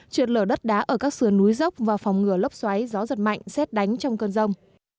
trượt lở đất đá ở các sườn núi dốc và phòng ngừa lốc xoáy gió giật mạnh xét đánh trong cơn rông